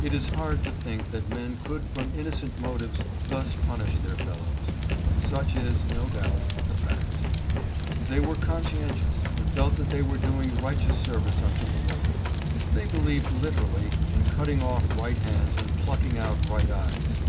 It is hard to think that men could from innocent motives thus punish their fellows, but such is, no doubt, the fact. They were conscientious, and felt that they were doing righteous service unto the Lord. They believed literally in cutting off right hands and plucking out right eyes.